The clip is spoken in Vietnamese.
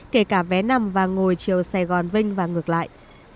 kể cả vé nằm và ngồi chiều sài gòn vinh và ngược lại